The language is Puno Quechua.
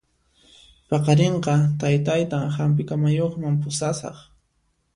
Paqarinqa taytaytan hampi kamayuqman pusasaq